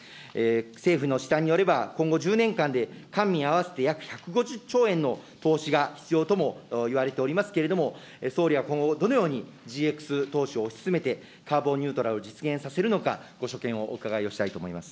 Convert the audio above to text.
政府の試算によれば、今後１０年間で、官民合わせて約１５０兆円の投資が必要ともいわれておりますけれども、総理は今後、どのようにＧＸ投資を推し進めて、カーボンニュートラルを実現させるのか、ご所見をお伺いをしたいと思います。